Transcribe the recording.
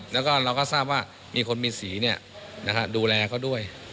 แล้วก็เราก็ทราบว่ามีคนมีสีดูแลเขาด้วย